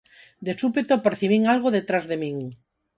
De súpeto, percibín algo detrás de min;